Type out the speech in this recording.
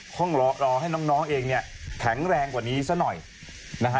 ต้องรอรอให้น้องเองเนี่ยแข็งแรงกว่านี้ซะหน่อยนะฮะ